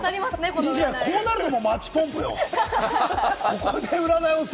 こうなるともう、マッチポンプよ。